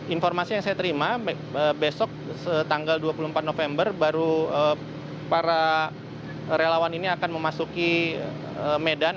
informasi yang saya terima besok tanggal dua puluh empat november baru para relawan ini akan memasuki medan